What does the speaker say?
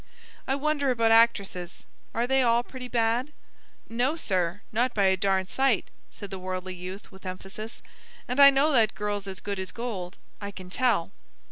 "I wonder about actresses; are they all pretty bad?" "No, sir, not by a darn sight," said the worldly youth with emphasis, "and I know that girl's as good as gold. I can tell."